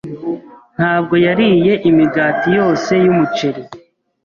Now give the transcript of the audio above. Ntabwo yariye imigati yose yumuceri.